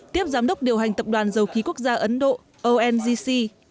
tiếp giám đốc điều hành tập đoàn dầu khí quốc gia ấn độ ongc